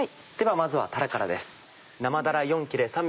まずはたらからです。